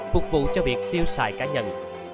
phục vụ cho việc tiêu xài cá nhân